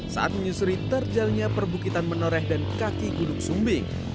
saat menyusuri terjalannya perbukitan menoreh dan kaki gunung sumbing